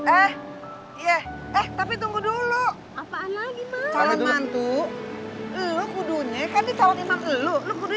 eh eh eh tapi tunggu dulu apaan lagi kalau mantu